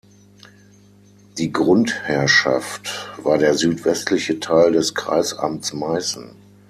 Die Grundherrschaft war der südwestlichste Teil des Kreisamts Meißen.